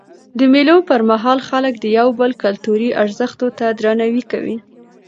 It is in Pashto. د مېلو پر مهال خلک د یو بل کلتوري ارزښتو ته درناوی کوي.